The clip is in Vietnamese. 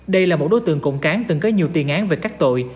đây là một đối tượng cộng cán từng có nhiều tiền án về các tội